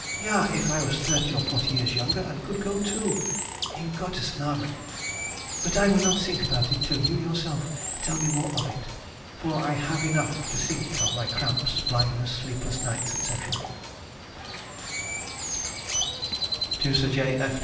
Ja! if I was thirty or forty years younger, and could go too? in Gottes nahmen! But I will not think about it till you yourself tell me more of it, for I have enough to think of my cramps, blindness, sleepless nights, &c. TO SIR J.